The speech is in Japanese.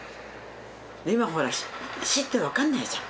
今ほら「死」って分かんないじゃん。